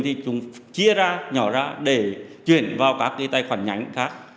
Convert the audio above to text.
thì chúng chia ra nhỏ ra để chuyển vào các cái tài khoản nhánh khác